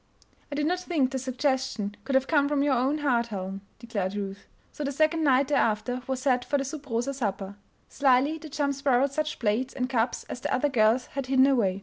"I did not think the suggestion could have come from your own heart, Helen," declared Ruth. So the second night thereafter was set for the "sub rosa supper." Slily the chums borrowed such plates and cups as the other girls had hidden away.